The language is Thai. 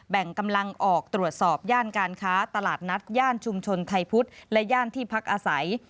แบ่งกำลังออกตรวจสอบย่านการค้าตลาดนัดย่านชุมชนไทยพุทธและย่านที่พักอาศัย